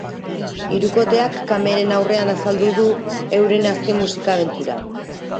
Hirukoteak kameren aurrean azalduko du euren azken musika abentura.